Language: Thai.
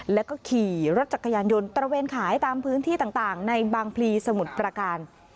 แล้วก็ขี่รถจักรยานยนต์ตระเวนขายตามพื้นที่ต่างในบางพลีสมุทรประการ